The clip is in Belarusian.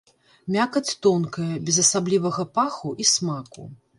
Мякаць тонкая, без асаблівага паху і смаку.